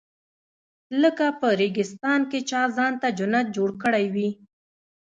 لکه په ریګستان کې چا ځان ته جنت جوړ کړی وي.